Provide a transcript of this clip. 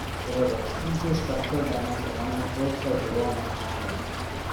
There was extensive structural damage along the coasts of Devon and Cornwall.